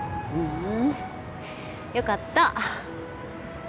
ふんよかった。